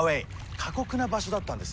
過酷な場所だったんです。